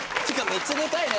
めっちゃでかいね！